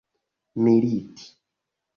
militi